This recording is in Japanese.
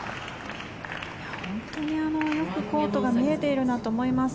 本当によくコートが見えているなと思います。